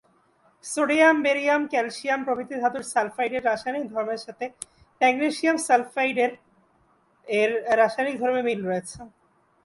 Sodium, barium, calcium প্রভৃতি ধাতুর সালফাইডের রাসায়নিক ধর্মের সাথে ম্যাগনেসিয়াম সালফাইডের এর রাসায়নিক ধর্মের মিল রয়েছে।